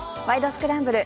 スクランブル」